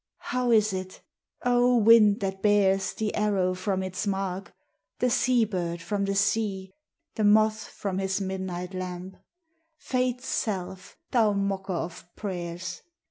How is it? O wind that bears The arrow from its mark, The sea bird from the sea, The moth from his midnight lamp, Fate's self, thou mocker of prayers!